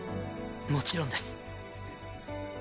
もちろんです。